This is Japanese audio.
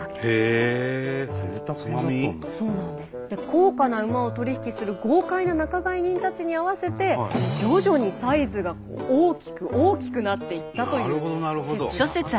高価な馬を取り引きする豪快な仲買人たちに合わせて徐々にサイズが大きく大きくなっていったという説があるそうなんです。